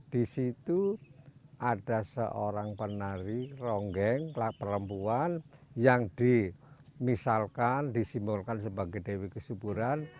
di situ ada seorang penari ronggeng perempuan yang dimisalkan disimbolkan sebagai dewi kesuburan